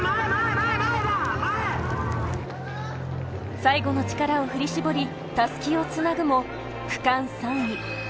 最後の力を振り絞り、襷をつなぐも区間３位。